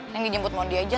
neng dijemput mau diajak